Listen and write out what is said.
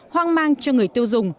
hoang mang cho người tiêu dùng